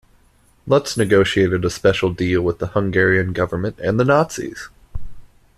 Lutz negotiated a special deal with the Hungarian government and the Nazis.